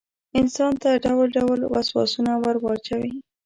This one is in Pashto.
انسان ته ډول ډول وسواسونه وراچوي.